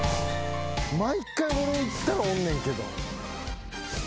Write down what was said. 毎回俺行ったらおんねんけど。